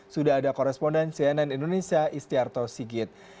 sudah ada koresponden cnn indonesia istiarto sigit